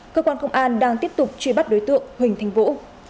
cơ quan công an đang tiếp tục truy bắt đối tượng huỳnh thanh vũ